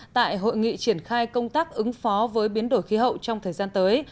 tại hội nghị triển khai công tác ứng phó với biến đổi khí hậu trong thời gian tới